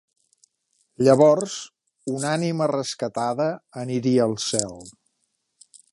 Llavors, un ànima rescatada aniria al cel.